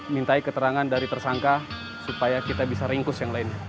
mintai keterangan dari tersangka supaya kita bisa ringkus yang lainnya